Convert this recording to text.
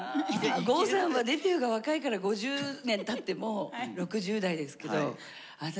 郷さんはデビューが若いから５０年たっても６０代ですけど私